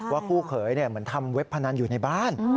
คู่เขยเหมือนทำเว็บพนันอยู่ในบ้าน